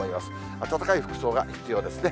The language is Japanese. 暖かい服装が必要ですね。